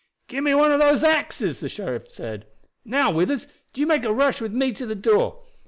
"Give me one of those axes," the sheriff said. "Now, Withers, do you make a rush with me to the door.